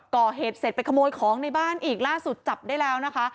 ก่อเหตุเสร็จไปขโมยของในบ้านอีกล่าสุดจับได้แล้วนะคะ